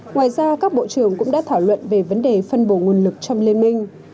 ngoài ra các bộ trưởng cũng đã thảo luận về vấn đề phân bổ nguồn lực trong liên minh